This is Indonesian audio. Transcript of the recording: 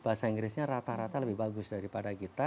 bahasa inggrisnya rata rata lebih bagus daripada kita